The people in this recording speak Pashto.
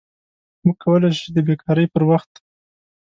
موږ کولی شو چې د بیکارۍ پر وخت